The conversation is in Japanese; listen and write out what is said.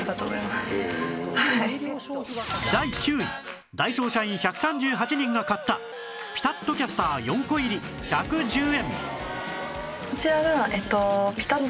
第９位ダイソー社員１３８人が買ったピタッとキャスター４個入り１１０円